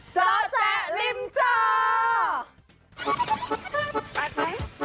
เจ้าแจ๊ะริมเจาว์